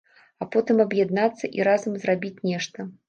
А потым аб'яднацца і разам зрабіць нешта.